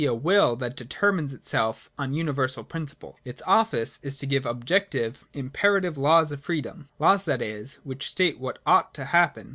a Will that determines itself on universal principles. Its office is to give objec tive, imperative laws of freedom, — laws, that is, which state what ought to happen.